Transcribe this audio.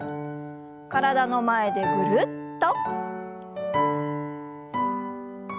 体の前でぐるっと。